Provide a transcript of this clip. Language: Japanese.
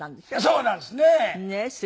そうなんですね。